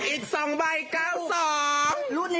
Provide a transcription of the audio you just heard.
อีก๒ใบ๙๒